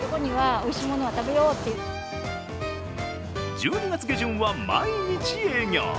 １２月下旬は毎日営業。